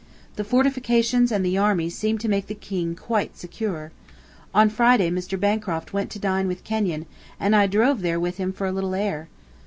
The fortifications and the army seemed to make the King quite secure. On Friday Mr. Bancroft went to dine with Kenyon, and I drove there with him for a little air.